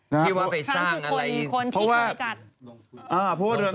คิดว่าไปสร้างอะไรทำคือคนที่เคยจัด